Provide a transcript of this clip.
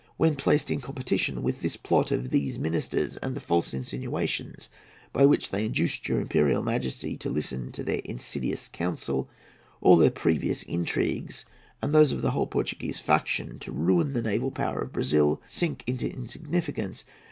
When placed in competition with this plot of these ministers and the false insinuations by which they induced your Imperial Majesty to listen to their insidious counsel, all their previous intrigues, and those of the whole Portuguese faction, to ruin the naval power of Brazil, sink into insignificance.